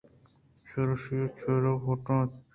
ءُ چرایشاں شِیرگ پِٹّگ ءَ اَت